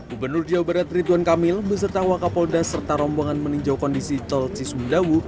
gubernur jawa barat ridwan kamil beserta wakapolda serta rombongan meninjau kondisi tol cisumdawu